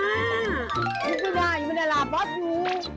ไม่ได้ไม่ได้ล่าบอสอยู่